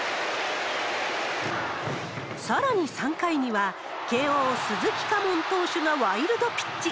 さらに３回には、慶応、鈴木佳門投手がワイルドピッチ。